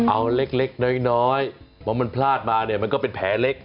เอาเล็กน้อยพอมันพลาดมาเนี่ยมันก็เป็นแผลเล็ก